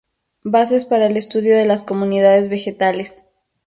Bases para el estudio de las comunidades vegetales.